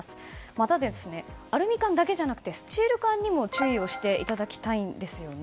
また、アルミ缶だけじゃなくてスチール缶にも注意していただきたいんですね。